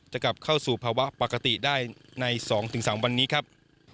จะกลับเข้าสู่ภาวะปกติได้ใน๒๓วันนี้ครับ